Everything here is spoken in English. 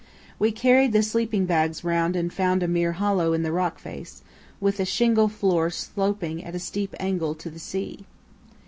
We carried the sleeping bags round and found a mere hollow in the rock face, with a shingle floor sloping at a steep angle to the sea.